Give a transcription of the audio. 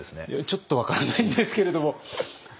ちょっと分からないんですけれども。